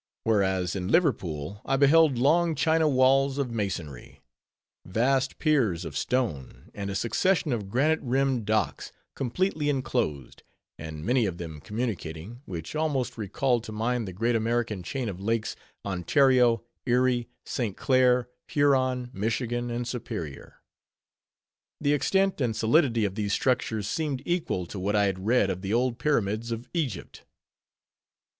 Whereas, in Liverpool, I beheld long China walls of masonry; vast piers of stone; and a succession of granite rimmed docks, completely inclosed, and many of them communicating, which almost recalled to mind the great American chain of lakes: Ontario, Erie, St. Clair, Huron, Michigan, and Superior. The extent and solidity of these structures, seemed equal to what I had read of the old Pyramids of Egypt.